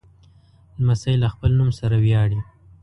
لمسی له خپل نوم سره ویاړي.